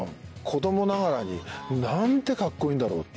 子供ながらになんてカッコいいんだろうと。